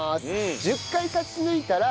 １０回勝ち抜いたら『